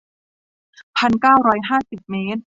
พันเก้าร้อยห้าสิบเมตร